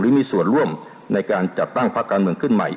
มีส่วนร่วมในการจัดตั้งพักการเมืองขึ้นใหม่